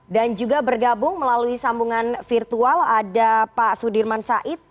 juga bergabung melalui sambungan virtual ada pak sudirman said